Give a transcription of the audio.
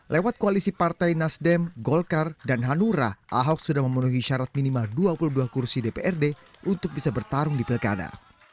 lewat koalisi partai nasdem golkar dan hanura ahok sudah memenuhi syarat minimal dua puluh dua kursi dprd untuk bisa bertarung di pilkada